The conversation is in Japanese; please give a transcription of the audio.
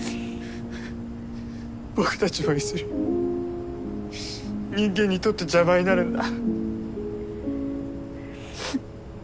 僕たちもいずれ人間にとって邪魔になるんだ。